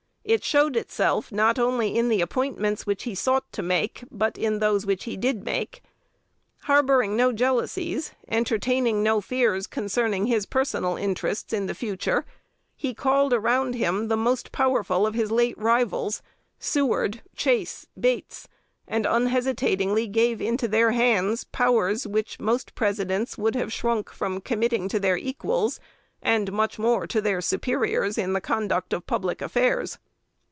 It showed itself, not only in the appointments which he sought to make, but in those which he did make. Harboring no jealousies, entertaining no fears concerning his personal interests in the future, he called around him the most powerful of his late rivals, Seward, Chase, Bates, and unhesitatingly gave into their hands powers which most presidents would have shrunk from committing to their equals, and much more to their superiors in the conduct of public affairs.